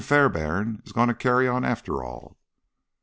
Fairbairn is going to carry on after all."